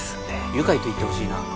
愉快と言ってほしいな